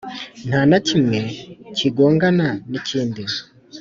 Nta na kimwe kigongana n’ikindi,